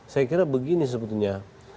saya kira begini sebetulnya